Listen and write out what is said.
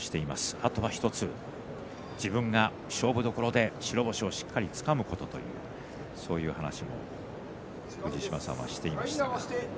あと１つ、自分が勝負どころで白星をしっかりつかむことそういう話をしていました。